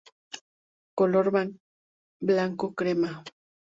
Color: blanco crema.